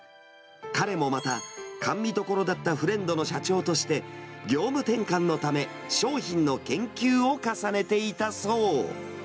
彼もまた、甘味処だったフレンドの社長として、業務転換のため、商品の研究を重ねていたそう。